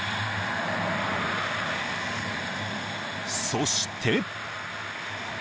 ［そして］